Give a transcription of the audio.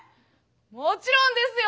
⁉もちろんですよ。